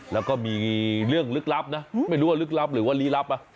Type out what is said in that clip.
แล้วก็มีเรื่องลึกลับนะไม่รู้ว่าลึกลับหรือว่าลี้ลับ